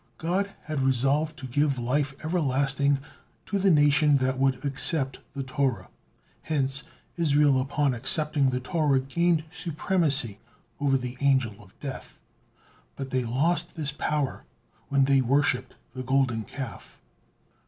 God had resolved to give life everlasting to the nation that would accept the Torah, hence Israel upon accepting the Torah gained supremacy over the Angel of Death. But they lost this power when they worshipped the Golden Calf.